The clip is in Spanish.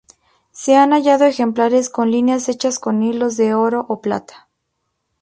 Se han hallado ejemplares con líneas hechas con hilos de oro o plata.